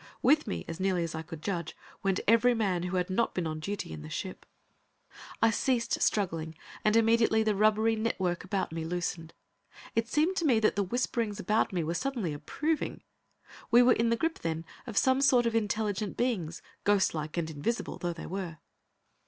With me, as nearly as I could judge, went every man who had not been on duty in the ship. I ceased struggling, and immediately the rubbery network about me loosened. It seemed to me that the whisperings about me were suddenly approving. We were in the grip, then, of some sort of intelligent beings, ghost like and invisible though they were.